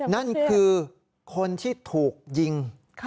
นั่นคือคนที่ถูกยิง